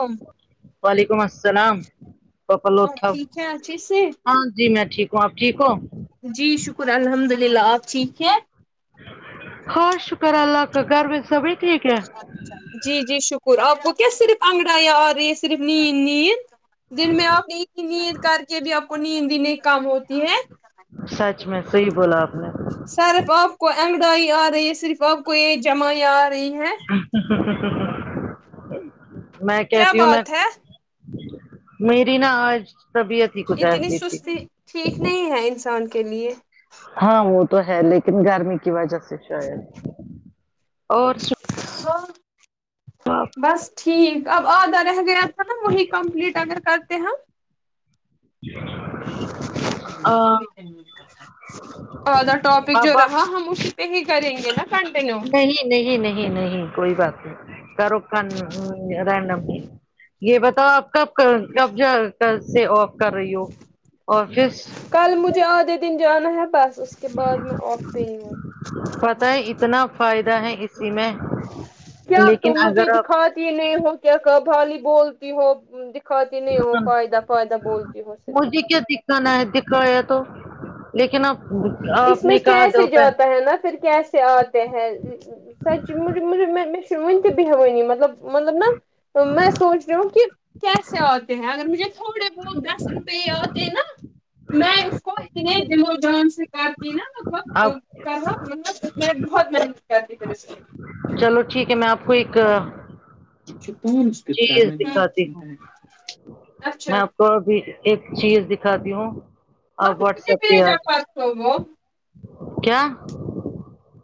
آپ وعلیکم السلام ٹھیک ہیں اچھے سے ہاں جی میں ٹھیک آپ ٹھیک ہو جی شکر الحمد للہ آپ ٹھیک ہیں خص شکر اللہ کا گھر میں سبھی ٹھیک ہے جی جی شکر آپ کو کیا صرف انگڑا یا آ رہی ہے صرف نیند نیند دن میں آپ ایک کی نیند کر کے بھی آپ کو نیند دینے کے کام ہوتی ہے سچ میں صحیح بولا آپ نے صرف آپ کو انگڈائی آ رہی ہے صرف آپ کو یہ جمائ آ رہی ہے میں کیا کہتی ہوں میں بات ہے میری نا آج طبیعت ہی کچھ اتنی ایسی تھی سستی ٹھیک نہیں ہے انسان کے لیے ہاں وہ تو ہے لیکن گرمی کی وجہ سے شاید اور بس ٹھیک اب آدھا مم وہی کمپلیٹ اگر کرتے ہیں ہم جی اوردا ٹاپک جو اب آپ رہا ہم اس ہی کریں گے نا کنٹینیو نہیں نہیں نہیں نہیں کوئی بات نہیں شاہ رخ خان رڈم یہ بتاؤ آپ کاب کبضہ سے آف کر رہی ہو اور پھر کل مجھے آدھے دن جانا ہے بس اس کے بعد میں آف پہ ہی ہوں پتا ہے اتنا فائدہ ہے اسی میں لیکن تم مجھے اگر آپ دکھاتی نہیں ہو کیا کہ بالی بولتی ہو کھاتی نہیں ہو فائدہ فائدہ بولتی ہو صرف [inaudible] دکھایا تو لیکن اپ بول اس میں کیسے جاتا ہے نا پھر کیسے آ میں سچ مجھے مجھے میں نے بہوانی مطلب مطلب نا میں سوچ رہی ہوں کہ کی آتے ہیں اگر مجھے تھوڑے بہت میں اس کو اتنے دل و جان سے کرتی نا آپ مطلب بہت محنت کرتی پھر اس چلو ٹھیک ہے میں آپ کو ایک چیز دکھاتی ہوں اچھا میں آپ کو ابھی ایک چیز دکھاتی ہوں اور آپ نے واٹس مجھے ایپ پہ بھیجا آجاؤ پرسوں وہ کیا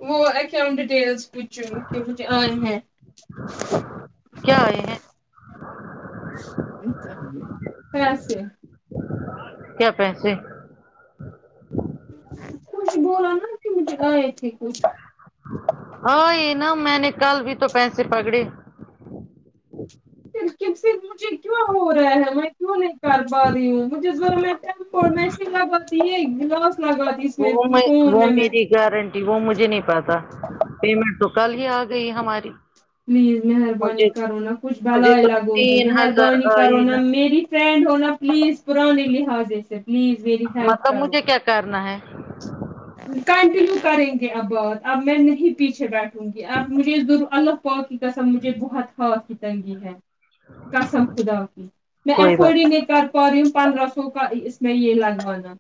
وہ اکاؤنٹ ڈیٹیلز مجھے ائے ہیں کیا آئے ہیں پیسے کیا پیسے کچھ بولا نا کہ مجھ آئے تھی کچھ یہ نا میں نے کل بھی تو پیسے پکڑے مجھے کیا ہو رہا ہے کیوں نہیں کر پا رہی ہوں مجھے [inaudible] لگاتی ہے ایک گلاس لگاتی اس وہ میں فون وہ میں میری گارنٹی وہ مجھے نہیں پتہ پیمنٹ تو کل ہی آ گئی ہماری پلیز مہربانی مجھے کرو نا کچھ مجھے بھلائی تو لگو گی تین ہزار مہربانی کرو نا میری فٹرینڈ ہونا پلیز پرانانیے لحاظی سے پلیز میری ہیلپ مطلب کرو مجھے کیا کرنا ہے کنٹینیو کریں گے اب بات اب میں نہیں پیچھے بیٹھوں گی اب مجھے ضرور اللہ پکی کا سب مجھے بہت ہاتھ کی تنگی ہے قسم خدا کی میں کوئی ایفورڈ ہی بات نہیں کر پا رہی ہو پندرہ سو کا اس میں یہ لگوانا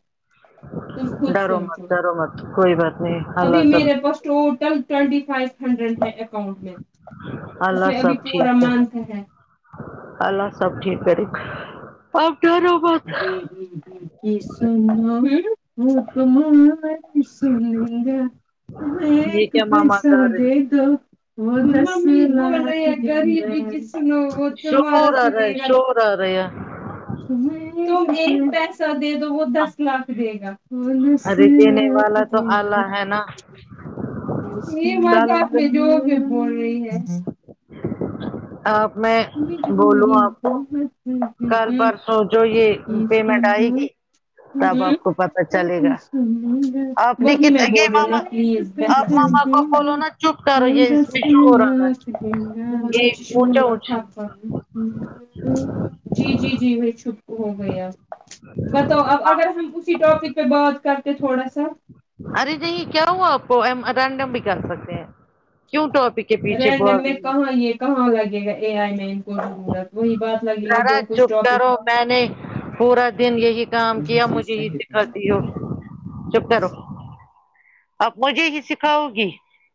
تم خود ڈر مت سوچو ڈر مت کوئی بات نہیں ابھی اللہ سب میرے پاس ٹوٹل ٹوئینٹی فائیو ہنڈریڈ ہے اکاؤنٹ میں اس اللہ میں ابھی سب پورا ٹھیک منتھ ہے اللہ سب ٹھیک کرے گا آپ ڈرو [inaudible] [inaudible] مت تم یہ ایک کیا ماما پیسہ کر دے رہے دو شور آ رہا [inaudible] [inaudible] تم ایک پیسہ دے دو وہ دس لاکھ دے گا ارے دینے والا تو اللہ ہے نا یہ کل مازاک میں جوک میں بول رہی ہے آپ میں بولوں مجبوری آپ کو کل پرسو‌ جو یہ [inaudible] پیمنٹ آئے گی تب آپ کو پتا چلے گا آپ نے وہی کت میں یہ بول رہا ہوں نا ماما پلیز آپ ماما کو بولو نا چپ کرو یہ اس میں شور آ رہا [inaudible] ہے یہ اونچا [inaudible] اونچ جی جی جی میں ہو گیا بتاؤ اب اگر ہم اسی ٹاپک پہ بات کرتے تھوڑا سا ارے جی کیا ہو آپ رینڈم بھی کر سکتے ہیں کیوں ٹاپک کے پیچھے رینڈم بھاگ میں رہی کہاں یہ کہاں لگے گا اے آئی میں ان کو ضرورت وہی بات لگے گی ذرا جو کچھ چپ ٹاپک کرو میں نے پورا دن یہی کام کیا مجھے یہ سکھاتی ہو چپ کرو اب مجھے ہی سکھاؤ گی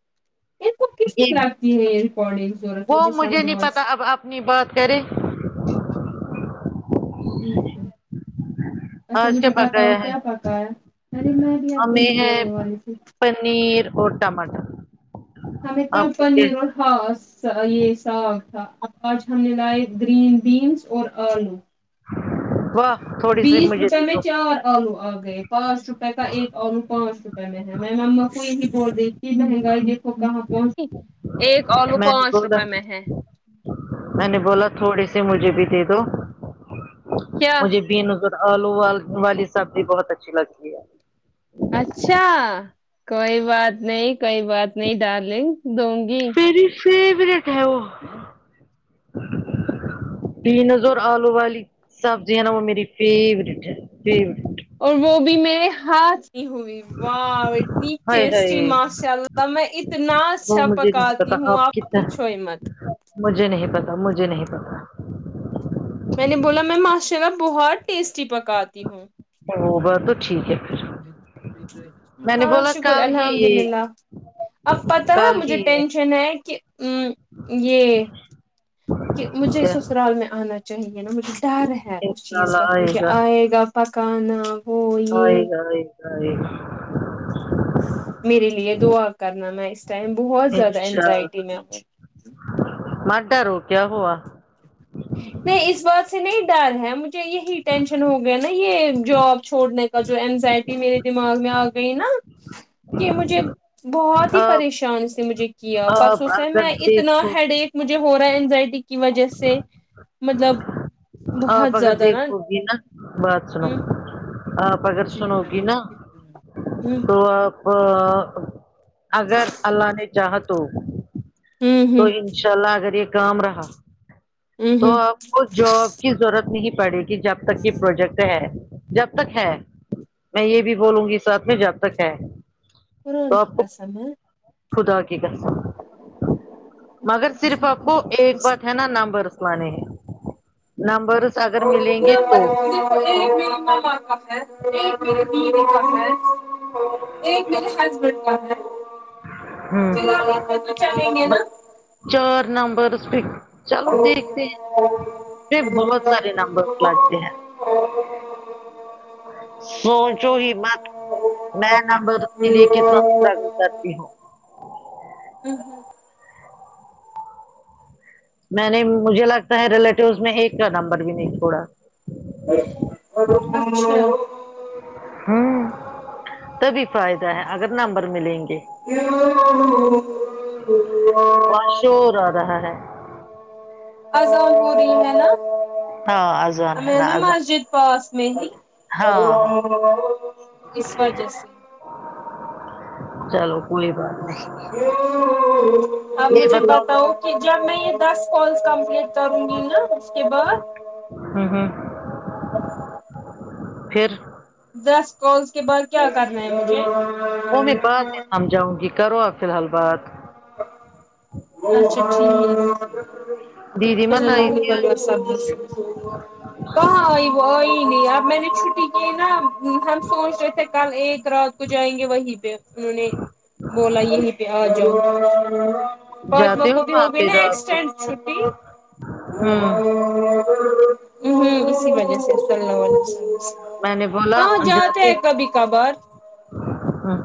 [unintelligible] ریکارڈگ جوور وہ مجھے نہیں سمجو پتا اب اپنی بات کریں [unintelligible] [unintelligible] اچھا کیا مجھے بتاؤ پکایا ہے کیا پکایا ارے میں بھی آپ کو یہ ہمیں ہے بولنے والی تھی پنیر اور ٹماٹر [unintelligible] آپ کو کیا یہ ساگ تھا آج ہم نے لائے گرین بینس اور آلو واہ تھوڑی سی بیس مجھے روپے دے میں دو چار آلو آ گئے پانچ روپئے کا ایک آلو پانچ روپئے میں ہے میم اما کوئی نہیں بول رہی مہنگائی دیکھو کہاں پہنچی ایک آلو میں نے پانچ بولا روپے میں ہے میں نے بولا تھوڑے سے مجھے بھی دے دو کیا مجھے بھی ن آو والی سب بھی بہت اچھی لگتی ہے اچھا کوئی بات نہیں کوئی بات نہیں ڈارلنگ دوں گی میری فیورٹ ہے وہ [unintelligible] پینز اور آلو والی سبزی ہے نا وہ میری فیوریٹ ہے فیوریٹ اور وہ بھی میرے ہاتھ کی ہوئی واہ اتنی ہائے ہائے ٹیسٹی ماشاء اللہ میں اتنا وہ اچھا مجھے نہیں پکاتی پتا ہوں آپ کتنا پوچھو مت مجھے نہیں پتا مجھے نہیں پتا میں نے بولا میں ماشاءر بہت ٹیسٹی پکاتی ہوں وہ بس تو ٹھیک ہے پھر [unintelligible] میں نے ہاں بولا شکر کل ہی الحمد للہ یہ اب پتہ ہے کل مجھے ہی یہ ٹینشن [unintelligible] کہ مجھے کیا سسرال میں آنا چاہیے نا مجھے ڈر ہے اس انشاء چیز کا اللہ مجھے آئے گا پکان ہاں یہ گ یہ میرے لیے دعا کرنا میں اس ٹائم بہت زیادہ انینزائٹی میں ہوں مر ڈ رو کیا ہوا نہیں اس بات سے نہیں ڈر ہے مجھے یہی ٹینشن ہو گیا نا یہ جاب چھوڑنے کا جو اینزائٹی میرے دماغ میں آ گئی نا کہ مجھے بہت ہی آپ پریشان سے مجھے کیا آپ پرسوں سے ہے اگر میں اتنا دیکھو ہیڈ مجھے ہو رہا ہے اینزائٹی کی وجہ سے مطلب بہت آاںپگر زیادہ نا دیکھو گی نا بات سناو ہ آپ اگر سنو گی نا ہ تو آپ اگر اللہ نے چاہا تو ہ تو ہ ان ان شاء اللہ اگر یہ کام رہا ہ تو ہ آپ کو جاب کی ضرورت نہیں پڑے گی جب تک یہ پروجیکٹ ہے جب تک ہے میں یہ بھی بولوں گی اس ساتھ میں جب تک ہے تو قرآن آپ کی کو قسم ہے خدا کی کر مگر صرف آپ کو ایک بات ہے نا نامبرسمے ہے [unintelligible] [unintelligible] گے تو [unintelligible] ایک میرے ہسبینڈ کا ہے ہ فی الحال اتنے تو چلیں گے نا چار نمبر چلو دیکھتے ہیں پ بہت سارے نمبرس لگتے ہیں سوچو ہی بت میں نمبر کے لیے کتنا اسٹرگل کرتی ہوں [unintelligible] میں نے مجھے لگتا ہے ریلیٹیوس میں ایک کا نمبر بھی نہیں چھوڑا اچھا ہ تبھی فائدہ ہے اگر نمبر ملیں گے وہاں شور آ رہا ہے [unintelligible] اذان ہو رہی ہے نا ہاں اذان ہے ہمیں نا اذان مسجد پاس میں ہی ہاں ہاں ایشور جس چلو کوئی بات نہیں [unintelligible] اپ مجھے بتاؤ کہ جب میں یہ دس کورس کمپلیٹ کروں گی نا اس کے بعد ہ ہوں پھر دس کالس کے بعد کیا کرنا ہے مجھے وہ میں بعد میں سمجھاؤں گی کرو اور فی الحال بات اچھا دیدی ٹھیک مت چل آئی لگ تھی بلی آج س کہاں آئی وہ آئی نہیں اب میں نے چھٹی کی نا ہم سوچ رہے تھے کل ایک رات کو جائیں گے وہیں پہ انہوں نے بولا یہ پہ آج پہچموں جاتے ہو کو بھی وہاں ہوگی پہ نا رات کو ایکسٹینڈ چھٹی ہ ہوں ہ اسی وجہ سے ص اللہ عل میں نے بولا ہاں جاتے ہیں کبھی کبھار ہاں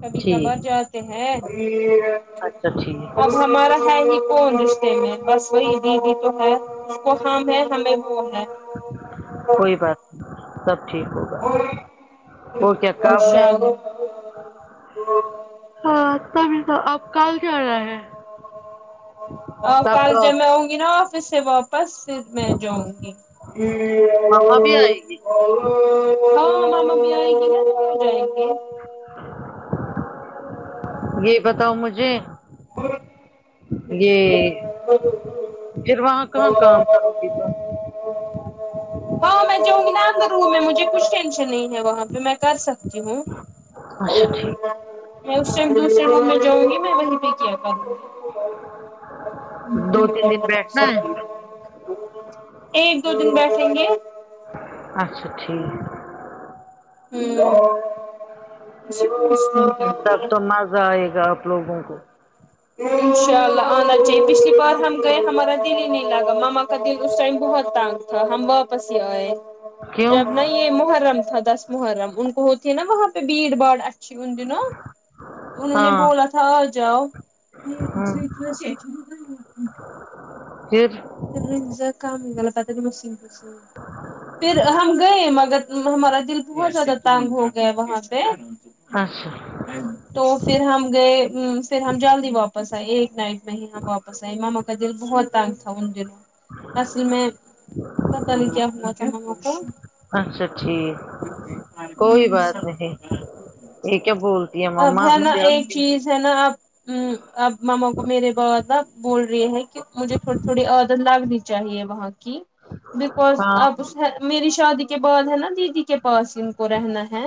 کبھی کبھار جاتے ہیں اچھا اب ٹھیک ہمارا ہے ہی کون بس وہی دیدی تو ہے اس کو ہم ہے ہمیں وہ ہے کوئی بات سب ٹھیک ہوگا اور کیا کام ہے انشاء اللہ [unintelligible] ہاں ت م تو آپ کل سے آ رہ ہے اور تب کل ج تو میں آؤں گی نا آفس سے وپ بس پھر میں جاؤں گی مما بھی آئے گی ہاں ہم امی آئیں گی جائیں گے یہ بتاؤ مجھے یہ پھر وہاں کہاں کام کرو گی تم ہاں میں جؤ گ نہ کروں میں مجھ کچ ٹینشن نہیں وہاں پہ میں کر سکتی ہوں اچھا ٹھیک میں اس ٹائم دوسرے روم میں جؤں گی میں وہیں پہ کیا کروں گی دو تین دن بیٹھنا ہے [unintelligible] ایک دو دن بیٹھیں گے اچھا ٹھیک [unintelligible] تب تو مزہ آئے گا آپ لوگوں کو انشاء اللہ آنا چاہیے پچھلی بار ہم گئے ہمارا دل ہی نہیں لگا ماما کا دل اس ٹائم بہت تنگ ہم ہمبا واپسیائے کیوں جب نا یہ محرم تھا دس محرم ان کو ہوتی ہے نا وہاں پہ بھیڑ باڑ ان دنوں تو انہوں نے ہاں بولا تھا آ جاؤ ہوں [inaudible] پھر من جا کا مگا پتا کہ مسین پس پھر ہم گئے مگر ہمارا دل بہت زیادہ تانگ ہو گیا وہاں پہ اچھا تو پھر ہم گئے پھر ہم جلدی واپس آئے ایک نائٹ نہیں ہم واپس آئے ماما کا دل بہت تاگ تھا ان دنوں اصل میں پتہ نہیں کیا ہونا چاہوںوں کو اچھا ٹھیک کوئی ت س بات نہیں یہ کیا [unintelligible] بولتی ہے مما ہے نا مجھے آپ ایک کی چیز ہے نا آپ آپ ماما کو میرے ب بول رہے ہیں کہ مجھے تھڑی تھوڑی عدن لگنی چاہیے وہاں کی بکز ہاں آپ میری شادی کے بعد ہے نا دیدی کے پاس ان کو رہنا ہے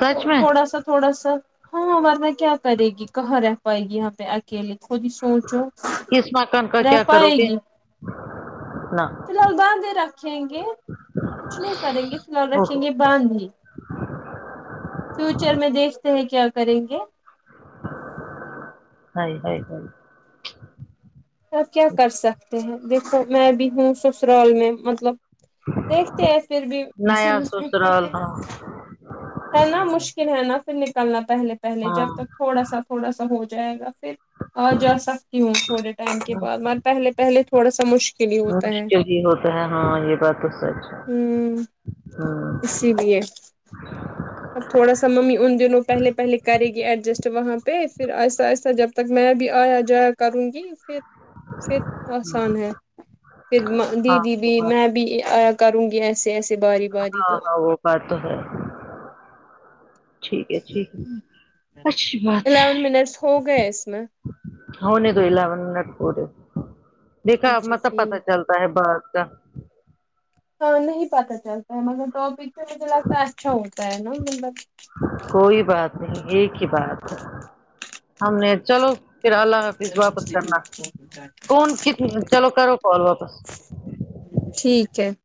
سچ میں تھوڑا سا تھوڑا سا ہاں ورنہ کیا کرے گی کہاں رہ پائے گی یہاں پہ اکیل خود ہی سوچو کس مکان کا رہ کیا کرو پائے گے گی نہ فی الحال باندھی رکھیں گے کچھ نہیں کریں گے فی الحال او رکھیں ہو گے ہو باندھی فیوچر میں دیکھتے ہیں کیا کریں گے ہاں آپ کیا کر سکتے ہیں دیکھو میں بھی ہوں سسرال میں مطلب دیکھتے ہیں پھر بھی نیا سسرال ہاں ہے نا مشکل ہے نا پھر نکلنا پہلے پہلے ہاں جب تک تھوڑا سا تھوڑا سا ہو جائے گا پھر آ جا سکتی ہوں تھوڑے ٹائم کے ہاں، بعد م پہلے پہلے تھوڑا سا مشکل ہی ہوتا ہے مشکل ہی ہوتا ہے ہاں یہ بات تو سچ ہے ہوں ہمم اسی لیے اب تھوڑا سا ممی ان دنوں پہلے پہلے کرے گی ایڈجسٹ وہاں پہ پھر آہستہ آہستہ جب تک میں بھی آیا جایا کروں گی پھر پھر آسان ہے پھر ہاں دیدی وہ بھی بات میں تو، بھی آ کروں گی ایسے ایسے باری باری ہاں تو ہاں وہ بات ہے ٹھیک ہے ٹھیک ہے اچھی بات الیون منٹس ہو ہے گئے اس میں ہونے تو الیون منٹ پورے دیکھا اچھا ملب پتا ٹھیک چلتا ہے بر کا ہاں نہیں پت چلتا ہے مگر ٹاپک سے مجھے لگتا ہے اچھا ہوتا ہے نا مطلب کوئی بات نہیں ایک ہی بات ہے ہم نے چلو پھر اللہ حاف واپس کرنا کوون کت چلو کرو کال واپس ٹھیک ہے